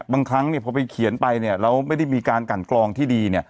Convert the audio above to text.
บางครั้งเนี้ยพอไปเขียนไปเนี้ยแล้วไม่ได้มีการกันกรองที่ดีเนี้ย